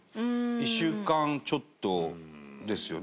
１週間ちょっとですよね